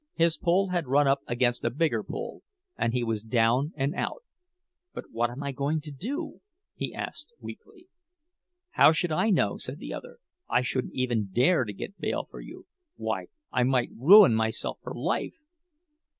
His pull had run up against a bigger pull, and he was down and out! "But what am I going to do?" he asked, weakly. "How should I know?" said the other. "I shouldn't even dare to get bail for you—why, I might ruin myself for life!"